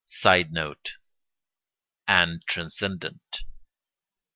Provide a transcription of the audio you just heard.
[Sidenote: and transcendent.